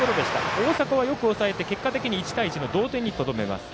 大迫はよく抑えて１対１の同点にとどめます。